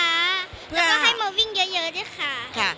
แล้วก็ให้มาวิ่งเยอะด้วยค่ะ